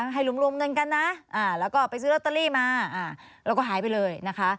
รวมเงินกันนะแล้วก็ไปซื้อลอตเตอรี่มาแล้วก็หายไปเลยนะคะ